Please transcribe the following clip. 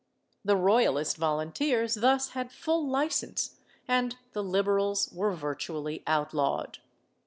^ The Royalist Volunteers thus had full licence, and the Liberals were virtually outlawed.